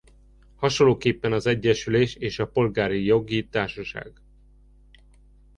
Hasonlóképpen az egyesülés és a polgári jogi társaság.